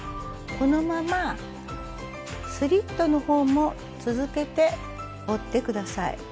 このままスリットの方も続けて折って下さい。